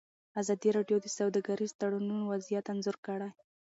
ازادي راډیو د سوداګریز تړونونه وضعیت انځور کړی.